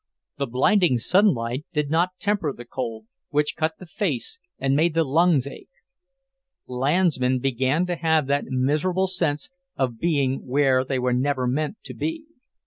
The blinding sunlight did not temper the cold, which cut the face and made the lungs ache. Landsmen began to have that miserable sense of being where they were never meant to be.